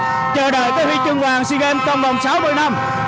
và chờ đợi tới huy trương hoàng xin game trong vòng sáu mươi năm